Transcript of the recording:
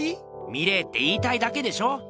「見れ」って言いたいだけでしょ？